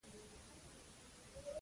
د سولې لپاره د ټولو ګډ کار اړین دی.